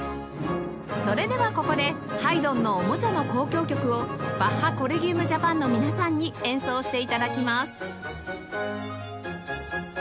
それではここで『ハイドンのおもちゃの交響曲』をバッハ・コレギウム・ジャパンの皆さんに演奏して頂きます